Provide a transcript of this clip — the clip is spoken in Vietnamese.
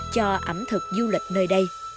cho ẩm thực du lịch nơi đây